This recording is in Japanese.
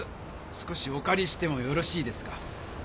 少しおかりしてもよろしいですか？